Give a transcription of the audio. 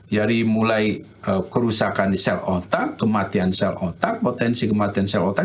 dari mulai kerusakan di sel otak kematian sel otak potensi kematian sel otak